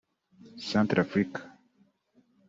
Centrafrica